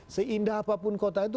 seindah apapun kota itu